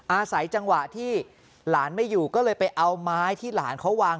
อาศัยจังหวะที่หลานไม่อยู่ก็เลยไปเอาไม้ที่หลานเขาวาง